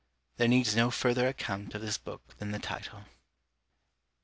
There needs no further account of this book than the title.